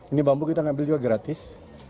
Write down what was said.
ini bambu kita ngambil juga gratis